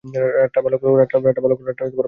রাতটা ভালো কাটুক।